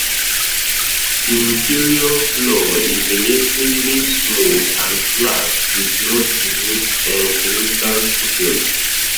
The interior floor is relatively smooth and flat with no significant features.